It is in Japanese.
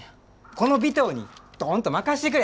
この尾藤にドンと任してくれ！